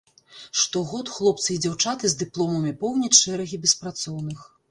Штогод хлопцы і дзяўчаты з дыпломамі поўняць шэрагі беспрацоўных.